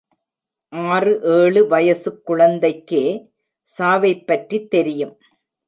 ஆறு ஏழு வயசுக் குழந்தைக்கே சாவைப் பற்றித் தெரியும்.